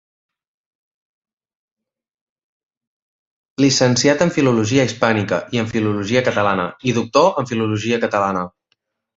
Llicenciat en Filologia Hispànica i en Filologia Catalana, i Doctor en Filologia Catalana.